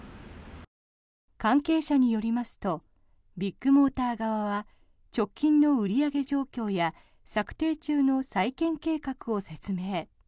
関係者によりますとビッグモーター側は直近の売り上げ状況や策定中の再建計画を説明。